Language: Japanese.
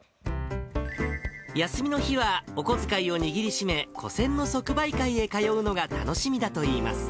休みの日は、お小遣いを握りしめ、古銭の即売会へ通うのが楽しみだといいます。